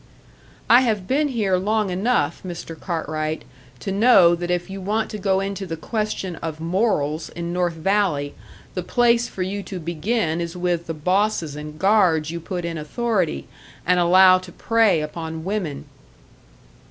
"I have been here long enough, Mr. Cartwright, to know that if you want to go into the question of morals in North Valley, the place for you to begin is with the bosses and guards you put in authority, and allow to prey upon women."